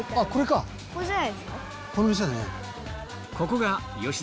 この店だね。